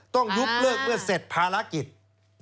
ต้องยกเลิกเมื่อเสร็จภารกิจ